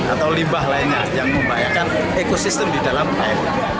atau limbah lainnya yang membahayakan ekosistem di dalam air